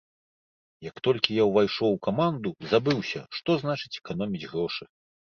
Як толькі я ўвайшоў у каманду, забыўся, што значыць эканоміць грошы.